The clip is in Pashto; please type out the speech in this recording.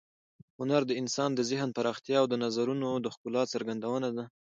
هنر د انسان د ذهن پراختیا او د نظرونو د ښکلا څرګندونه ده.